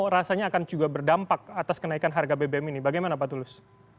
rasanya akan juga berdampak atas kenaikan harga bbm ini bagaimana pak tulus